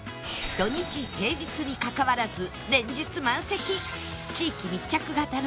土日平日にかかわらず連日満席